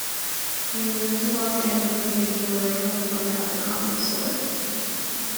He moved to Los Angeles and became a regular performer at The Comedy Store.